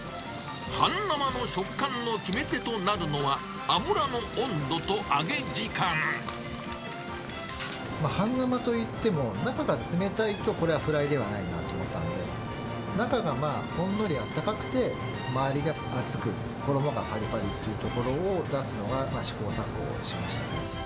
半生の食感の決め手となるのは、半生といっても、中が冷たいと、これはフライではないなと思ったので、中がまあ、ほんのりあったかくて、周りが熱く、衣がぱりぱりというところを出すのが、試行錯誤しましたね。